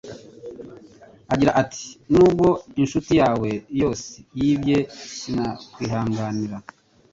Agira ati 'Nubwo inshuti yawe yose yibye, sinakwihanganira.